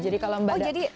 jadi kalau mbak